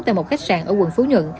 tại một khách sạn ở quận phú nhận